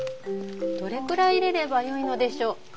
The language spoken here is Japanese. どれくらい入れればよいのでしょう？